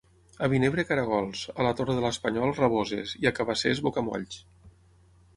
A Vinebre caragols, a la Torre de l'Espanyol raboses i a Cabassers bocamolls.